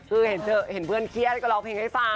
คือเห็นเพื่อนเครียดก็ร้องเพลงให้ฟัง